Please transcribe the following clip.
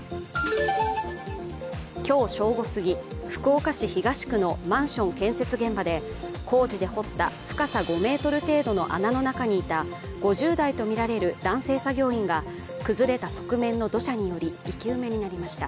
今日正午過ぎ、福岡市東区のマンション建設現場で工事で掘った深さ５ｍ程度の穴の中にいた５０代とみられる男性作業員が崩れた側面の土砂により生き埋めになりました。